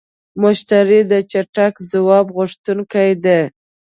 مشتری د چټک ځواب غوښتونکی دی.